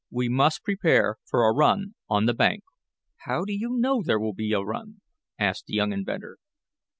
We must prepare for a run on the bank." "How do you know there will be a run?" asked the young inventor.